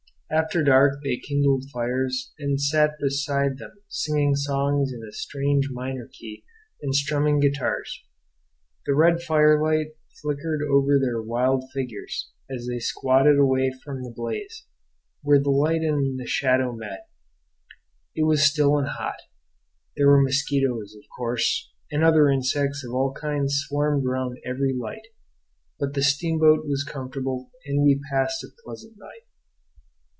After dark they kindled fires, and sat beside them singing songs in a strange minor key and strumming guitars. The red firelight flickered over their wild figures as they squatted away from the blaze, where the light and the shadow met. It was still and hot. There were mosquitoes, of course, and other insects of all kinds swarmed round every light; but the steamboat was comfortable, and we passed a pleasant night.